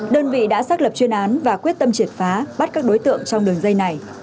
đơn vị đã xác lập chuyên án và quyết tâm triệt phá bắt các đối tượng trong đường dây này